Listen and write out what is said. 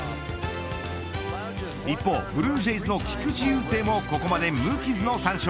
一方ブルージェイズの菊池雄星もここまで無傷の３勝。